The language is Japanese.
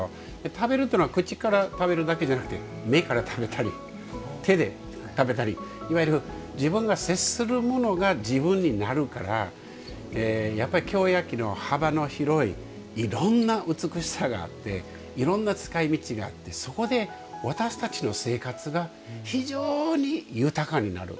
食べるというのは口から食べるだけじゃなくて目から食べたり、手で食べたりいわゆる自分が接するものが自分になるから京焼の幅の広いいろんな美しさがあっていろんな使いみちがあってそこで、私たちの生活が非常に豊かになる。